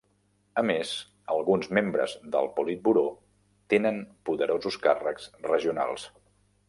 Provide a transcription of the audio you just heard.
A més, alguns membres del Politburó tenen poderosos càrrecs regionals.